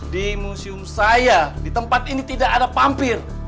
di museum saya di tempat ini tidak ada pampir